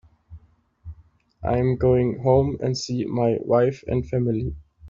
I'm going home and see my wife and family.